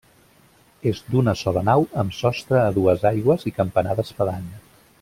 És d'una sola nau amb sostre a dues aigües i campanar d'espadanya.